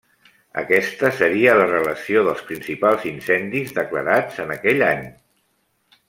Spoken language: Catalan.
Aquesta seria la relació dels principals incendis declarats en aquell any.